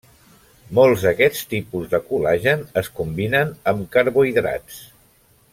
Molts d'aquests tipus de col·lagen es combinen amb carbohidrats.